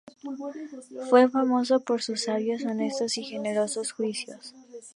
Fue famoso por sus sabios, honestos y generosos juicios.